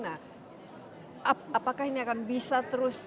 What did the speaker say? nah apakah ini akan bisa terus